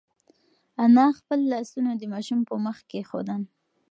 انا خپل لاسونه د ماشوم په مخ کېښودل.